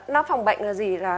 nó phòng bệnh là gì là